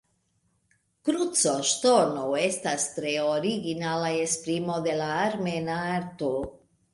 Krucoŝtono estas tre originala esprimo de la armena arto.